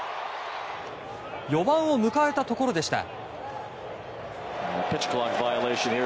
４番を迎えたところでした。